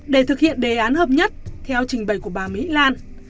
để thực hiện đề án hợp nhất theo trình bày của bà mỹ lan